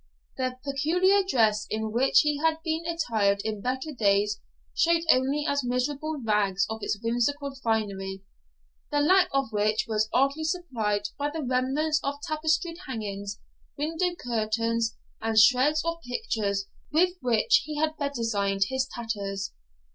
The peculiar dress in which he had been attired in better days showed only miserable rags of its whimsical finery, the lack of which was oddly supplied by the remnants of tapestried hangings, window curtains, and shreds of pictures with which he had bedizened his tatters.